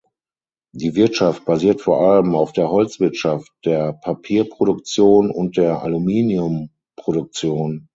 Die Wirtschaft basiert vor allem auf der Holzwirtschaft, der Papierproduktion und der Aluminiumproduktion.